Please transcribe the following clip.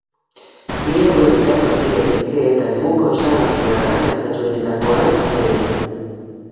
Mila koloretan aurki daitezke eta neguko osagarri arrakastatsuenetakoa izango dira.